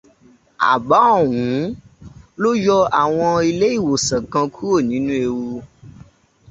Àbá ọ̀hún ló yọ àwọn ilé ìwòsàn kan kúrò nínú ẹwu.